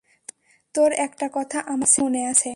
তোর একটা কথা আমার মনে আছে!